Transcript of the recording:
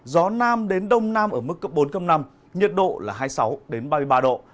gió nam đến đông nam ở mức cấp bốn cấp năm nhiệt độ là hai mươi sáu ba mươi ba độ